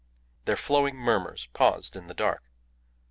Their flowing murmurs paused in the dark.